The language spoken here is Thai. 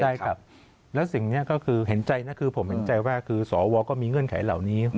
ได้ครับแล้วสิ่งนี้ก็คือเห็นใจนะคือผมเห็นใจว่าคือสวก็มีเงื่อนไขเหล่านี้